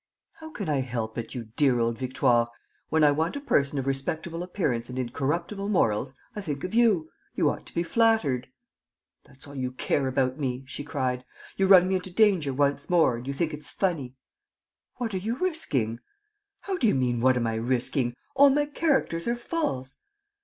"How can I help it, you dear old Victoire?[B] When I want a person of respectable appearance and incorruptible morals, I think of you. You ought to be flattered." "That's all you care about me!" she cried. "You run me into danger once more; and you think it's funny!" "What are you risking?" "How do you mean, what am I risking? All my characters are false."